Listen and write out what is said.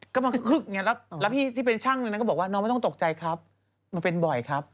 ก็มาคึกอย่างนี้แล้วพี่ที่เป็นช่างนั้นก็บอกว่าน้องไม่ต้องตกใจครับมันเป็นบ่อยครับ